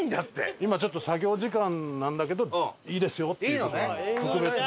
今ちょっと作業時間なんだけどいいですよっていう事に特別に。